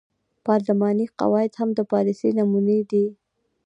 پارلماني قواعد هم د پالیسۍ نمونې دي.